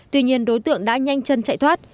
tuy nhiên đối tượng đã nhanh chân chạy thoát